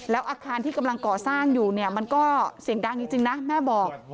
แล้วอาคารที่กำลังก่อสร้างอยู่เนี่ยมันก็เสียงดังจริงนะแม่บอก